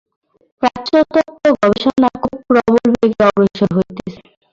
প্রাচ্যতত্ত্ব-গবেষণা খুব প্রবল বেগে অগ্রসর হইতেছে।